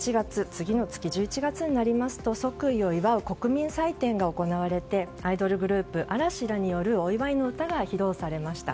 次の月１１月になりますと即位を祝う国民祭典が行われてアイドルグループ、嵐らによるお祝いの歌が披露されました。